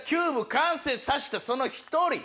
完成させたその１人。